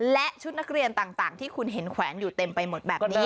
และชุดนักเรียนต่างที่คุณเห็นแขวนอยู่เต็มไปหมดแบบนี้